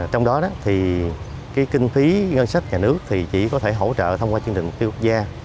trong đó đó thì cái kinh phí ngân sách nhà nước thì chỉ có thể hỗ trợ thông qua chương trình phi quốc gia